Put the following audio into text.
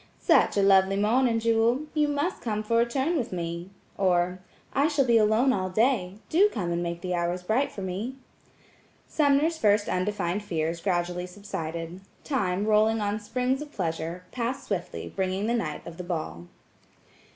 "Such a lovely morning, Jewel! You must come for a turn with me." or, "I shall be alone all day; do come and make the hours bright for me." Sumner's first undefined fears gradually subsided. Time, rolling on springs of pleasure, passed swiftly bringing the night of the ball.